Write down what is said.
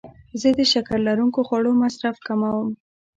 زه د شکر لرونکو خوړو مصرف کموم.